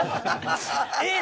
えっ？